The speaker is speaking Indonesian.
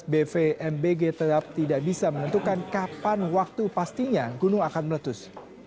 bvmbg tetap tidak bisa menentukan kapan waktu pastinya gunung akan meletus